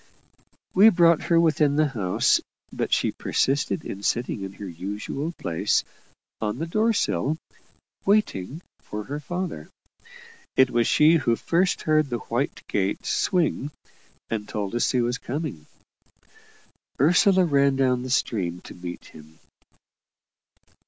We brought her within the house, but she persisted in sitting in her usual place, on the door sill, "waiting" for her father. It was she who first heard the white gate swing, and told us he was coming. Ursula ran down to the stream to meet him.